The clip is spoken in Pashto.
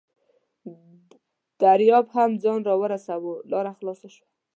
دریاب هم ځان راورساوه، لاره خلاصه شوه.